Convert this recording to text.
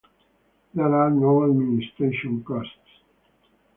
There are no administration costs.